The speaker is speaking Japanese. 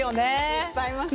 いっぱいいますね。